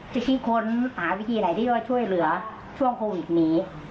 จะคิดค้นหาวิธีไหนที่จะช่วยเหลือช่วงโควิดนี้